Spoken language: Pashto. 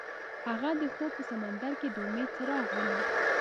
هغه د خوب په سمندر کې د امید څراغ ولید.